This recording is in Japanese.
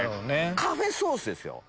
カフェソースですよ。